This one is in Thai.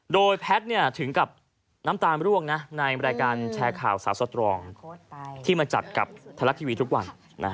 โดยแพทย์ถึงกับน้ำตาลร่วงในรายการแชร์ข่าวสาวสตรองที่มาจัดกับไทยรัฐทีวีทุกวัน